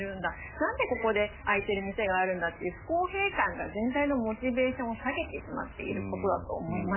なんでここで開いてる店があるんだという不公平感が全体のモチベーションを下げてしまっていることだと思います。